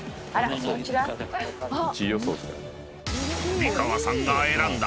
［美川さんが選んだ］